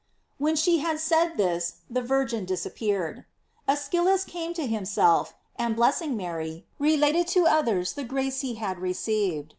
When she had said this, the Virgin disappeared. Eschylus came to himself, and blessing Mary, related to others the grace he had received.